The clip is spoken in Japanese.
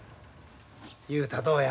雄太どうや？